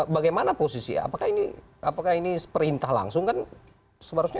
bagaimana posisi apakah ini perintah langsung kan seharusnya